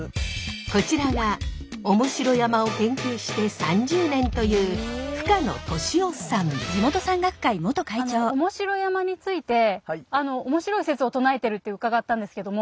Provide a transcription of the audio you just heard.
こちらが面白山を研究して３０年という面白山について面白い説を唱えてるって伺ったんですけども。